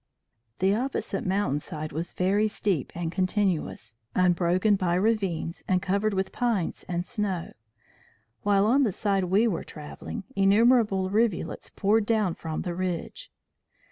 "The opposite mountain side was very steep and continuous unbroken by ravines, and covered with pines and snow; while on the side we were travelling, innumerable rivulets poured down from the ridge.